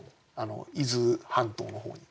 伊豆半島の方に。